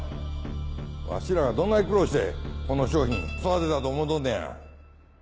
わしらがどない苦労してこの商品育てたと思うとんねや。